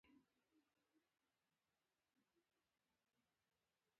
د سیاه ګرد بادام مشهور دي